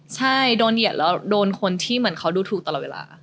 ใช่โดนเหยียดแล้วโดนคนที่เหมือนเขาดูถูกตลอดเวลา